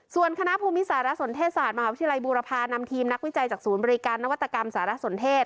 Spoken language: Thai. ส่วนคณะภูมิสารสนเทศศาสตร์มหาวิทยาลัยบูรพานำทีมนักวิจัยจากศูนย์บริการนวัตกรรมสารสนเทศ